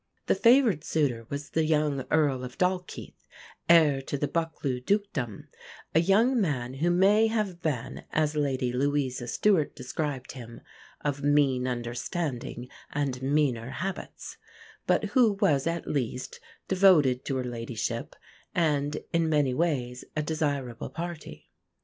The favoured suitor was the young Earl of Dalkeith, heir to the Buccleuch Dukedom, a young man who may have been, as Lady Louisa Stuart described him, "of mean understanding and meaner habits," but who was at least devoted to her ladyship, and in many ways a desirable parti.